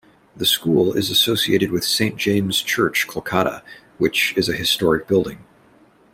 The school is associated with Saint James' Church, Kolkata, which is a historic building.